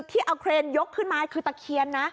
ที่เอาเครนยกขึ้นมาคือตะเคียนนะ